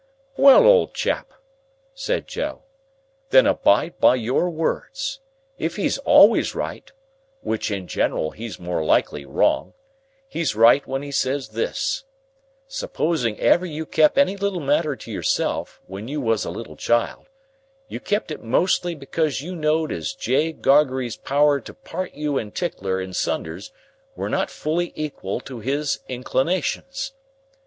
"Well, old chap," said Joe, "then abide by your words. If he's always right (which in general he's more likely wrong), he's right when he says this: Supposing ever you kep any little matter to yourself, when you was a little child, you kep it mostly because you know'd as J. Gargery's power to part you and Tickler in sunders were not fully equal to his inclinations.